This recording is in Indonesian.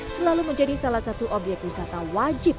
selalu menjadi salah satu obyek wisata wajib